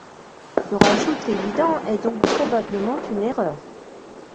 Ce rajout évident est donc probablement une erreur.